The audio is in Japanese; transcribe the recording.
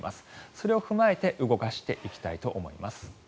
それを踏まえて動かしていきたいと思います。